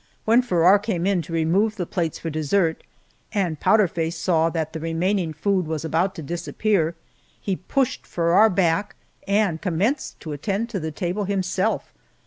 When Farrar came in to remove the plates for dessert, and Powder Face saw that the remaining food was about to disappear, he pushed Farrar back and commenced to attend to the table himself.